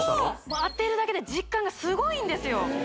もう当てるだけで実感がすごいんですよ